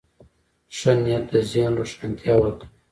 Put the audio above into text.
ښه نیت د ذهن روښانتیا ورکوي.